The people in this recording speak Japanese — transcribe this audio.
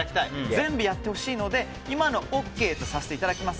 全部やってほしいので今のＯＫとさせていただきます。